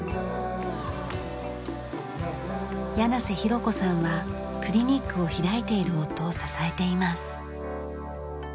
柳瀬裕子さんはクリニックを開いている夫を支えています。